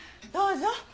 どうぞ。